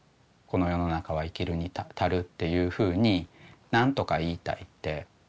この世の中は生きるに足るっていうふうに何とか言いたいって。